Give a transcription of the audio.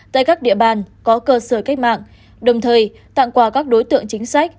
tại các địa bàn có cơ sở cách mạng đồng thời tặng quà các đối tượng chính sách